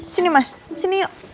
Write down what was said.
sini mas sini yuk